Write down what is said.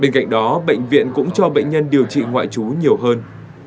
bên cạnh đó bệnh viện cũng cho bệnh nhân điều trị ngoại trú nhiều hơn